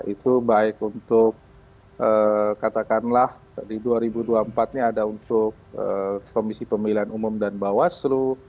itu baik untuk katakanlah di dua ribu dua puluh empat ini ada untuk komisi pemilihan umum dan bawaslu